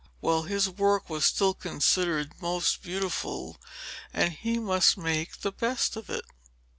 Well, his work was still considered most beautiful, and he must make the best of it.